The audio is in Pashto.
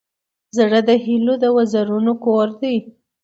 زړه د هيلو د وزرونو کور دی.